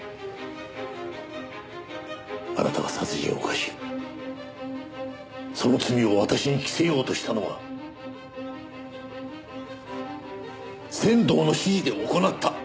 あなたが殺人を犯しその罪を私に着せようとしたのは仙堂の指示で行った。